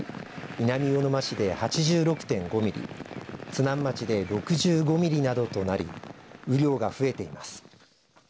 南魚沼市で８６．５ミリ津南町で６５ミリなどとなり雨量が増えています。